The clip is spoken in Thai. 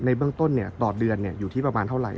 ในเบื้องต้นเนี่ยต่อเดือนเนี่ยอยู่ที่ประมาณเท่าไหร่